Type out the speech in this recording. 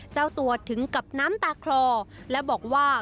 เจ้าตัวถึงกับน้ำตาคลอและบอกว่า